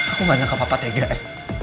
aku gak nyangka papa tega eh